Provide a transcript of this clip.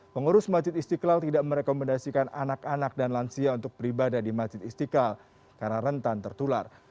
pengurus masjid istiqlal tidak merekomendasikan anak anak dan lansia untuk beribadah di masjid istiqlal karena rentan tertular